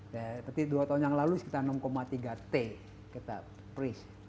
tapi dua tahun yang lalu sekitar enam tiga t kita pres